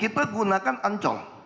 kita gunakan ancol